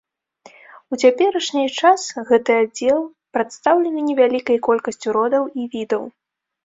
У цяперашні час гэты аддзел прадстаўлены невялікай колькасцю родаў і відаў.